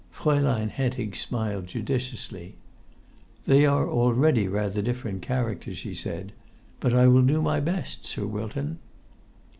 Fraulein Hentig smiled judiciously. "They are already rather different characters," she said. "But I will do my best, Sir Wilton."